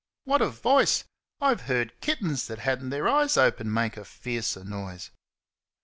What a voice! I've heard kittens that had n't their eyes open make a fiercer noise.